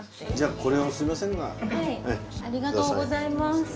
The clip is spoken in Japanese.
ありがとうございます。